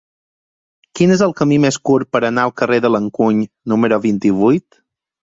Quin és el camí més curt per anar al carrer de l'Encuny número vint-i-vuit?